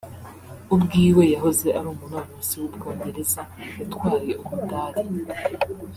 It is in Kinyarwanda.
ubwiwe yahoze ari umunonotsi w'Ubwongereza yatwaye umudari